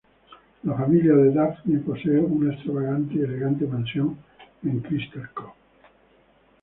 La familia de Daphne posee una extravagante y elegante Mansión en Crystal Cove.